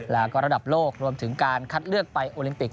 แล้วก็ระดับโลกรวมถึงการคัดเลือกไปโอลิมปิก